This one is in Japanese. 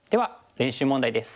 練習問題です。